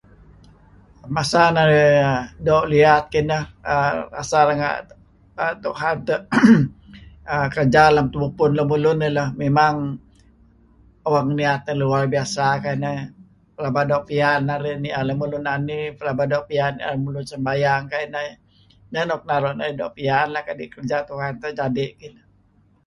Masa narih doo' liyat kineh masa renga' Tuhan kerja lem tebubpun lemulun eh lah, memang awang niyat narih luar biasa kuayu' ineh, pelaba narih ni'er lemulun nani, pelaba doo' piyan ni'er lemulun sembayang kayu' ineh, nen nuk naru' narih doo' piyan lah kadi' kerja Tuhan terjadi'.